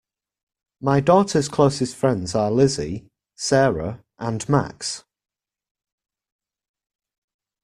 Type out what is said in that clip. My daughter's closest friends are Lizzie, Sarah and Max.